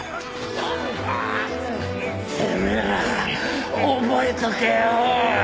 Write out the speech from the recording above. てめえら覚えとけよ！